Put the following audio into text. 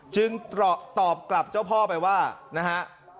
จึงตอบกลับเจ้าพ่อไปว่านะฮะ